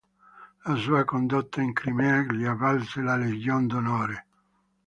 La sua condotta in Crimea gli valse la Legion d'onore.